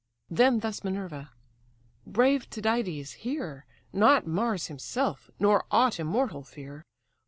Then thus Minerva:—"Brave Tydides, hear! Not Mars himself, nor aught immortal, fear.